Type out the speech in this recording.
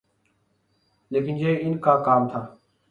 لیکن یہ ان کا کام تھا۔